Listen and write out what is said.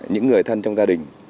những người thân trong gia đình